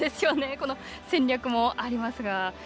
この戦略もありますが。